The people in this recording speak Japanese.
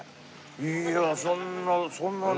いやあそんなそんなに？